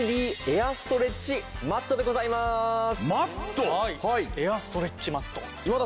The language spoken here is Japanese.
エアストレッチマット。